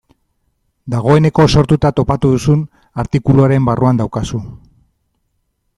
Dagoeneko sortuta topatu duzun artikuluaren barruan daukazu.